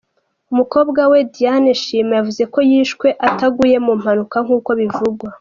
Umukobwa we Diane Shima yavuze ko yishwe, ataguye mu mpanuka nkuko bivugwa.